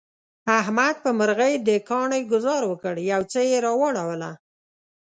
احمد په مرغی د کاڼي گذار وکړ، بوڅه یې را وړوله.